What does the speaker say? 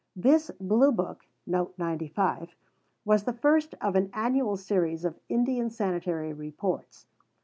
This Blue book was the first of an Annual Series of Indian Sanitary Reports.